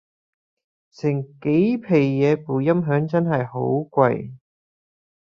成幾皮野部音響真係好貴